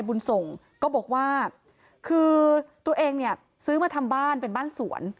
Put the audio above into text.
บุญส่งก็บอกว่าคือตัวเองเนี่ยซื้อมาทำบ้านเป็นบ้านสวน